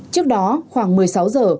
trước đó khoảng một mươi sáu giờ